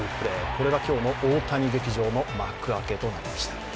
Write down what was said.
これが今日の大谷劇場の幕開けとなりました。